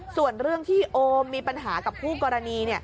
ส่วนเรื่องที่โอมมีปัญหากับคู่กรณี